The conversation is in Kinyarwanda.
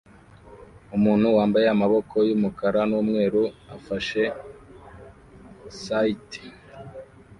numutuku yambaye amaboko yumukara numweru afashe scythe